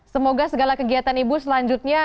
semoga segala kegiatan ibu selanjutnya